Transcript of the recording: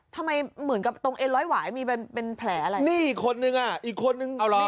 ทำไมเหมือนกับตรงไอ้ร้อยหวายมีเป็นแผลอะไรนี่คนนึงอ่ะอีกคนนึง